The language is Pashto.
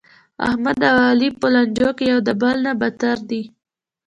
احمد او علي په لانجو کې یو د بل نه بتر دي.